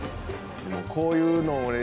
こういうの俺。